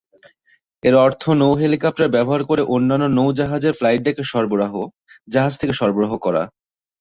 এর অর্থ নৌ-হেলিকপ্টার ব্যবহার করে অন্যান্য নৌ-জাহাজের ফ্লাইট ডেকে সরবরাহ, জাহাজ থেকে সরবরাহ করা।